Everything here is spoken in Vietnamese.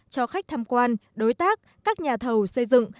cho khách tham quan đối tác các nhà thầu xây dựng